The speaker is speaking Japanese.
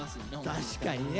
確かにね。